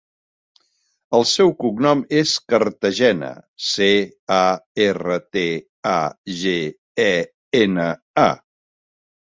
El seu cognom és Cartagena: ce, a, erra, te, a, ge, e, ena, a.